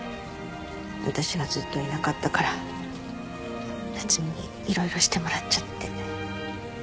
私がずっといなかったから夏海に色々してもらっちゃって。